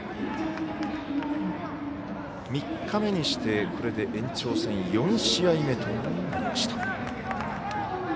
３日目にして、これで延長戦４試合目となりました。